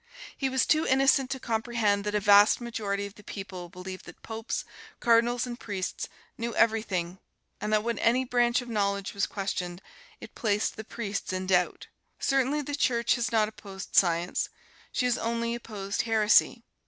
He was too innocent to comprehend that a vast majority of the people believed that popes, cardinals and priests knew everything, and that when any branch of knowledge was questioned it placed the priests in doubt. Certainly the Church has not opposed Science she has only opposed heresy.